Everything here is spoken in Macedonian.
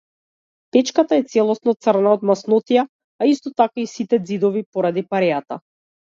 Печката е целосно црна од маснотија, а исто така и сите ѕидови поради пареата.